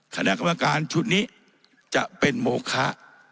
คณะกรรมการชุดนี้จะเป็นโมคะ